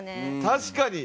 確かに！